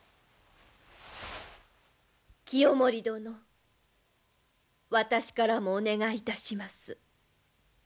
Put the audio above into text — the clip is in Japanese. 清盛殿私からもお願いいたします。